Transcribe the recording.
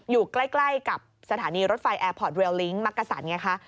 อยู่ใกล้กับสถานีรถไฟแอร์พอร์ตเรียลลิงคมักกะสันไงคะ